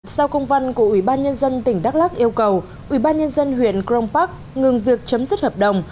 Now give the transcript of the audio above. sau công văn của ủy ban nhân dân tỉnh đắk lắc yêu cầu ủy ban nhân dân huyện cron park ngừng việc chấm dứt hợp đồng